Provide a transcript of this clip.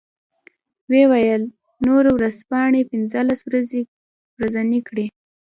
و یې ویل نورو ورځپاڼې پنځلس ورځنۍ کړې.